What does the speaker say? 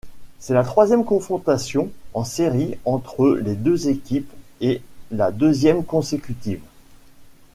C'est la troisième confrontation en séries entre les deux équipes et la deuxième consécutive.